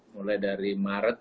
mulai dari maret